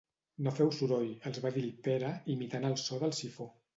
No feu soroll —els va dir el Pere, imitant el so del sifó.